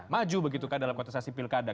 maju begitu kan dalam kontestasi pilkada